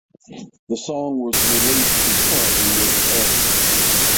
The song was released concurrently with "X".